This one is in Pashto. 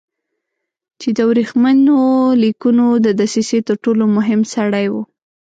چې د ورېښمینو لیکونو د دسیسې تر ټولو مهم سړی و.